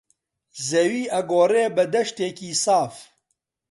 زەوی ئەگۆڕێ بە دەشتێکی ساف